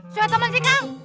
suataman sih kang